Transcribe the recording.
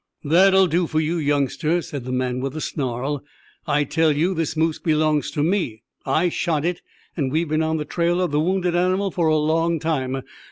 "That'll do for you, youngster," said the man, with a snarl. "I tell you this moose belongs to me. I shot it, and we've been on the trail of the wounded animal for a long time.